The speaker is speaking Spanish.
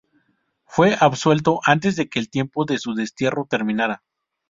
Fue absuelto antes de que el tiempo de su destierro terminara.